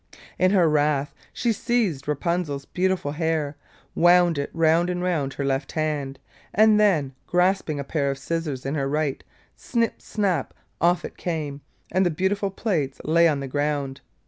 In her wrath she seized Rapunzel's beautiful hair, wound it round and round her left hand, and then grasping a pair of scissors in her right, snip snap, off it came, and the beautiful plaits lay on the ground.